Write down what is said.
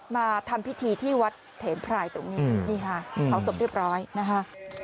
มาทำพิธีที่วัดเถนพรายตรงนี้นี่ค่ะเผาศพเรียบร้อยนะคะ